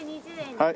はい。